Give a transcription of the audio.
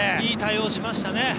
いい対応しましたね。